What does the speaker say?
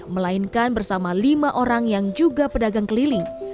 melainkan bersama lima orang yang juga pedagang keliling